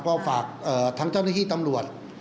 ก็ฝากทางเจ้าหน้าที่ตำรวจ